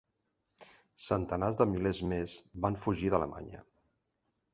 Centenars de milers més van fugir d'alemanya.